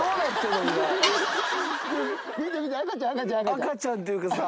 赤ちゃんっていうかさ。